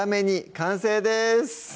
完成です